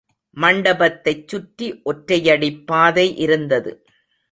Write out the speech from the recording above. மண்டபத்தைச் சுற்றி ஒற்றையடிப் பாதை இருந்தது.